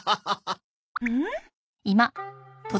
うん。